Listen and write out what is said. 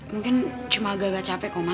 mungkin cuma agak agak capek ma